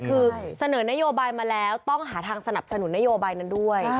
คือเสนอนโยบายมาแล้วต้องหาทางสนับสนุนนโยบายนั้นด้วย